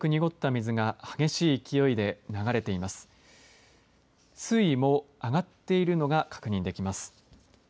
水位も上がっているのが確認できます。